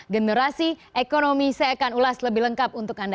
generasi ekonomi saya akan ulas lebih lengkap untuk anda